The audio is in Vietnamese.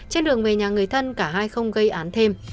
trên đường về nhà người thân cả hai không gây án thêm